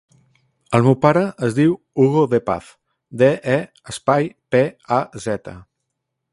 El meu pare es diu Hugo De Paz: de, e, espai, pe, a, zeta.